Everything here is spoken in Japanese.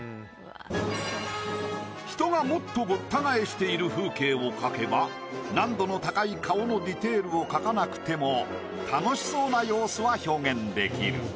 人がもっとごった返している風景を描けば難度の高い顔のディテールを描かなくても楽しそうな様子は表現できる。